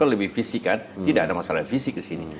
kalau lebih fisikan tidak ada masalah fisik di sini